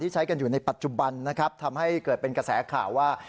ใช้กันอยู่ในปัจจุบันนะครับทำให้เกิดเป็นกระแสข่าวว่า